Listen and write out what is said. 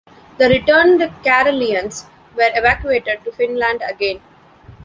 The returned Karelians were evacuated to Finland again.